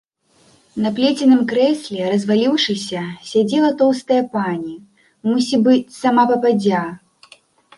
На плеценым крэсле, разваліўшыся, сядзела тоўстая пані, мусібыць, сама пападдзя.